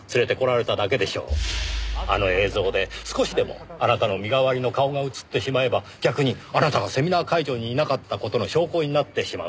あの映像で少しでもあなたの身代わりの顔が映ってしまえば逆にあなたがセミナー会場にいなかった事の証拠になってしまう。